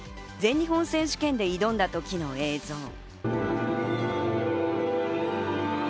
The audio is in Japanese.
全日本選手権で挑んだ時の映像。